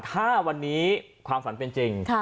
ถ้าวันนี้ความฝันเป็นจริง